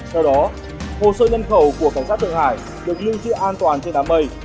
do đó hồ sơ nhân khẩu của cảnh sát thượng hải được lưu trị an toàn trên đám mây